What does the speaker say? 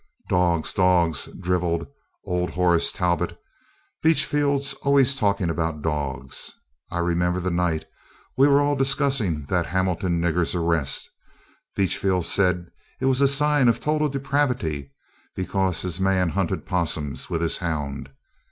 "Dogs, dogs," drivelled old Horace Talbot, "Beachfield 's always talking about dogs. I remember the night we were all discussing that Hamilton nigger's arrest, Beachfield said it was a sign of total depravity because his man hunted 'possums with his hound."